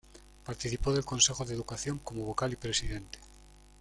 Participó del Consejo de Educación como vocal y presidente.